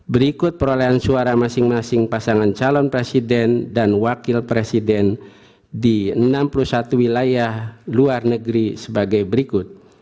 berikut perolehan suara masing masing pasangan calon presiden dan wakil presiden di enam puluh satu wilayah luar negeri sebagai berikut